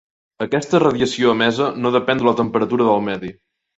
Aquesta radiació emesa no depèn de la temperatura del medi.